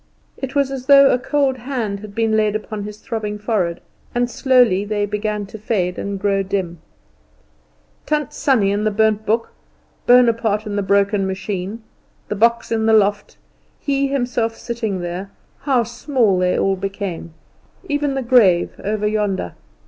It was as though a cold hand had been laid upon his throbbing forehead, and slowly they began to fade and grow dim. Tant Sannie and the burnt book, Bonaparte and the broken machine, the box in the loft, he himself sitting there how small they all became! Even the grave over yonder.